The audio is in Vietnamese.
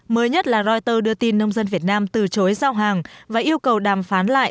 mới nhất là reuters đưa tin nông dân việt nam từ chối giao hàng và yêu cầu đàm phán lại